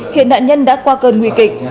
hiện nạn nhân đã qua cơn nguy kịch